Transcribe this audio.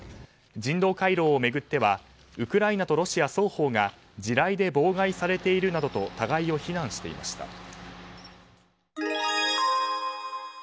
人道回廊を巡ってはウクライナとロシア双方が地雷で妨害されているなどと互いを非難していました。